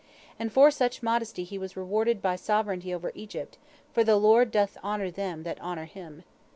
And for such modesty he was rewarded by sovereignty over Egypt, for the Lord doth honor them that honor Him.